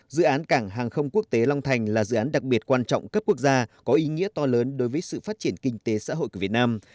dự án cảng hàng không quốc tế long thành là dự án đặc biệt quan trọng cấp quốc gia có ý nghĩa to lớn đối với sự phát triển kinh tế xã hội của việt nam